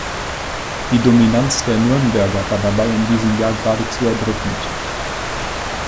Die Dominanz der Nürnberger war dabei in diesem Jahr geradezu erdrückend.